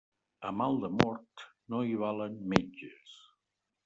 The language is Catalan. A mal de mort, no hi valen metges.